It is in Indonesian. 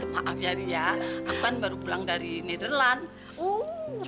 maaf ya ria aku kan baru pulang dari nederland